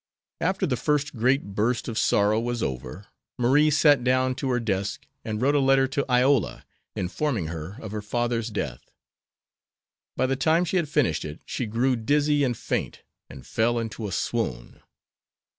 After the first great burst of sorrow was over, Marie sat down to her desk and wrote a letter to Iola, informing her of her father's death. By the time she had finished it she grew dizzy and faint, and fell into a swoon.